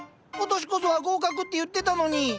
「今年こそは合格！」って言ってたのに。